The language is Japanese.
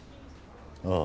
ああ。